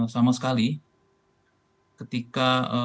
sama sekali ketika